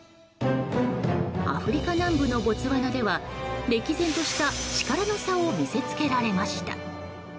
アフリカ南部のボツワナでは歴然とした力の差を見せつけられました。